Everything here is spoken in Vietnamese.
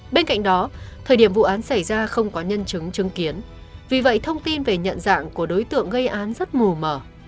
bên cạnh đó thời điểm vụ án xảy ra không có nhân chứng chứng kiến vì vậy thông tin về nhận dạng của đối tượng gây án rất mồ mở